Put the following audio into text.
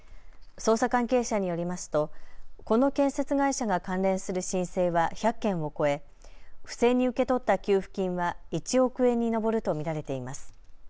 捜査関係者によりますとこの建設会社が関連する申請は１００件を超え不正に受け取った給付金は１億円に上ると見られています。